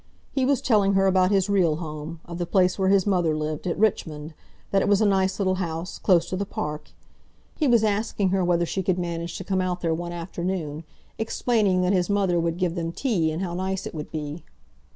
He was telling her about his real home, of the place where his mother lived, at Richmond—that it was a nice little house, close to the park. He was asking her whether she could manage to come out there one afternoon, explaining that his mother would give them tea, and how nice it would be.